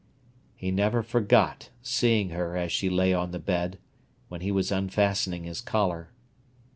He never forgot seeing her as she lay on the bed, when he was unfastening his collar.